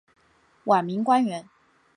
晚明官员。